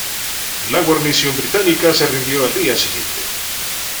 La guarnición británica se rindió al día siguiente.